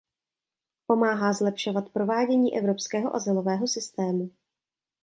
Pomáhá zlepšovat provádění evropského azylového systému.